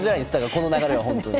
この流れは、本当に。